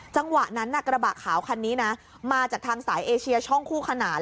จังหวะนั้นกระบะขาวคันนี้นะมาจากทางสายเอเชียช่องคู่ขนาน